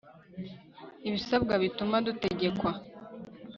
Ibisabwa bituma dutegekwa